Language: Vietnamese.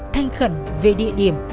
thanh khẩn về địa điểm